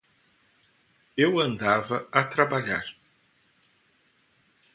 Eu andava a trabalhar.